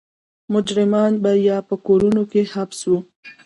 مجرمان به یا په کورونو کې حبس وو.